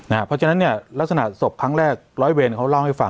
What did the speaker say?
เพราะฉะนั้นเนี่ยลักษณะศพครั้งแรกร้อยเวรเขาเล่าให้ฟัง